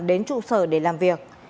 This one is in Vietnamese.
đến trụ sở để làm việc